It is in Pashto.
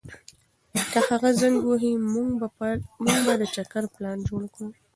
که هغه زنګ ووهي، موږ به د چکر پلان جوړ کړو.